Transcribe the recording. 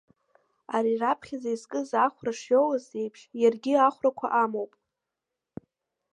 Ари раԥхьаӡа изкыз ахәра шиоуз еиԥш, иаргьы ахәрақәа амоуп.